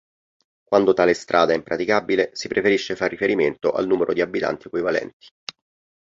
Quando tale strada è impraticabile, si preferisce far riferimento al numero di abitanti equivalenti.